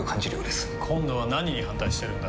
今度は何に反対してるんだ？